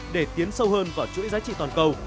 để tiến sâu hơn vào chuỗi giá trị toàn cầu